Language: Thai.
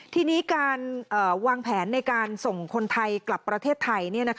ทีนี้การวางแผนในการส่งคนไทยกลับประเทศไทย